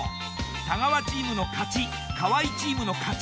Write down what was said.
太川チームの勝ち河合チームの勝ち